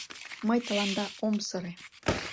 Мый тыланда ом сыре...